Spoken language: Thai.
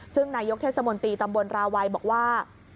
ซึ่งนายกเทศมนตรีตำบลราวัยบอกว่า